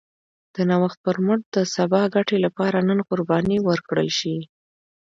د نوښت پر مټ د سبا ګټې لپاره نن قرباني ورکړل شي.